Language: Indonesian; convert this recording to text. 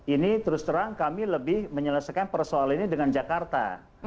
ini terus terang kami lebih menyelesaikan persoalan ini dengan jakarta